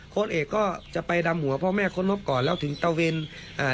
เอกก็จะไปดำหัวพ่อแม่โค้ดนบก่อนแล้วถึงตะเวนอ่า